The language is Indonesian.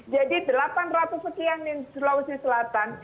jadi delapan ratus sekian di sulawesi selatan